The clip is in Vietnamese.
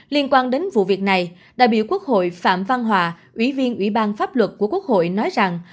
liên quan đến vụ việc này đại biểu quốc hội phạm văn hòa ủy viên ủy ban pháp luật của quốc hội nói rằng